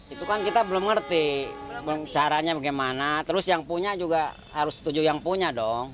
itu kan kita belum ngerti caranya bagaimana terus yang punya juga harus setuju yang punya dong